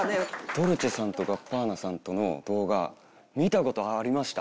ドルチェさんとガッバーナさんとの動画見た事ありました。